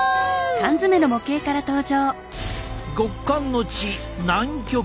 極寒の地南極！